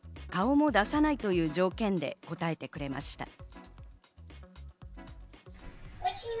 顔も出さないという条件で答えてくれました。